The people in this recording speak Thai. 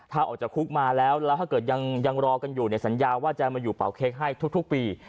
ถ้าออกจากคุกมาแล้วแล้วถ้าเกิดยังรอกันอยู่เนี่ยสัญญาว่าจะมาอยู่เป่าเค้กให้ทุกปี